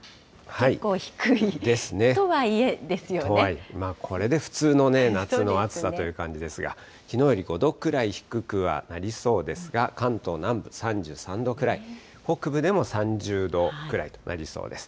ですね。とはいえ、これで普通のね、夏の暑さという感じですが、きのうより５度くらい低くはなりそうですが、関東南部３３度くらい、北部でも３０度くらいとなりそうです。